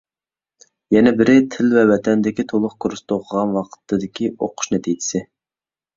يەنە بىرى، تىل ۋە ۋەتەندىكى تولۇق كۇرستا ئوقۇغان ۋاقتىدىكى ئوقۇش نەتىجىسى.